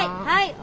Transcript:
はい。